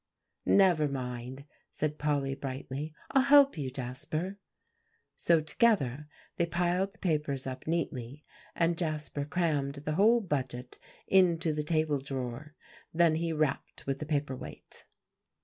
"Never mind," said Polly brightly, "I'll help you, Jasper." So together they piled the papers up neatly, and Jasper crammed the whole budget into the table drawer; then he rapped with the paper weight.